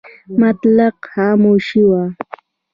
مطلق خاموشي وه .